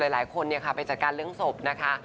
หลายคนไปจัดการเรื่องศพนะคะ